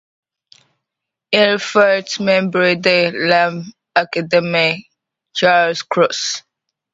Il fut membre de l'Académie Charles-Cros.